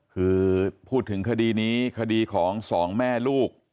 คือพูดถึงคดีนี้คดีของสองแม่ลูก